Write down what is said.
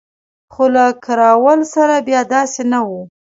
خو له کراول سره بیا داسې نه وو.